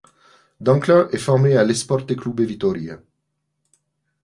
Dankler est formé à l'Esporte Clube Vitória.